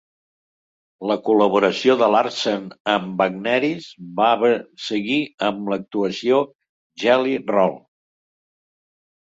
La col·laboració de Larsen amb Bagneris va seguir amb l'actuació Jelly Roll!